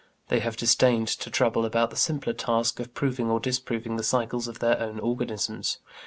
They have disdained to trouble about the simpler task of proving or disproving the cycles of their own organisms.